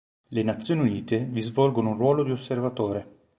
Le Nazioni Unite vi svolgono un ruolo di osservatore.